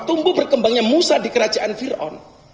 tunggu berkembangnya musa di kerajaan fir aun